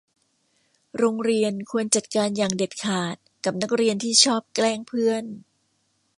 โรงเรียนควรจัดการอย่างเด็ดขาดกับนักเรียนที่ชอบแกล้งเพื่อน